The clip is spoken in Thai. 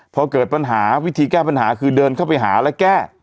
พอเกิดปัญหาวิธีแก้ปัญหาคือเดินเข้าไปหาและแก้